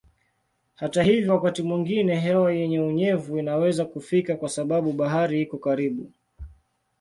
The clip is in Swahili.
Hata hivyo wakati mwingine hewa yenye unyevu inaweza kufika kwa sababu bahari iko karibu.